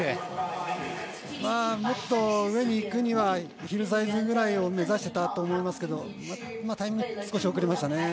もっと上に行くにはヒルサイズぐらいを目指していたと思いますけどタイミング、少し遅れましたね。